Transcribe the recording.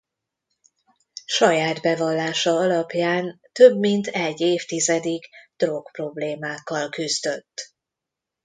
Saját bevallása alapján több mint egy évtizedig drogproblémákkal küzdött.